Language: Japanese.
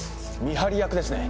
見張り役ですね。